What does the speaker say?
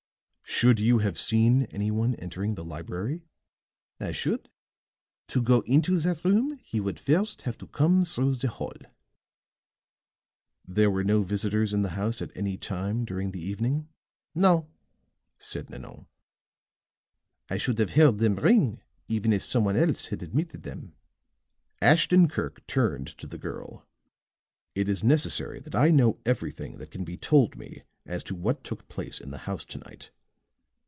"Should you have seen any one entering the library?" "I should. To go into that room he would first have to come through the hall." "There were no visitors in the house at any time during the evening?" "No," said Nanon. "I should have heard them ring, even if some one else had admitted them." Ashton Kirk turned to the girl. "It is necessary that I know everything that can be told me as to what took place in the house to night.